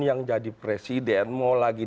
yang jadi presiden mau lagi